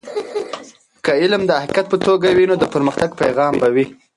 که علم د حقیقت په توګه وي نو د پرمختګ پیغام به وي.